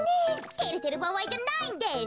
てれてるばあいじゃないんです！